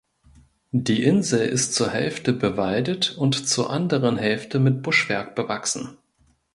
Die Insel ist zur Hälfte bewaldet und zu anderen Hälfte mit Buschwerk bewachsen.